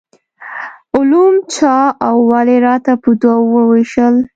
علوم چا او ولې راته په دوو وویشل.